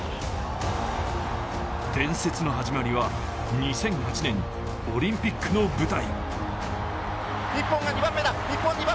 伝説の始まりは２００８年、オリンピックの舞台。